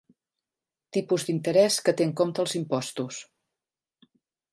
Tipus d'interès que té en compte els impostos.